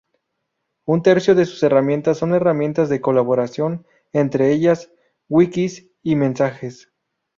Un tercio de sus herramientas son herramientas de colaboración, entre ellas wikis y mensajes.